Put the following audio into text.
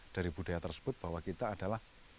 dari budaya tersebut bahwa kita adalah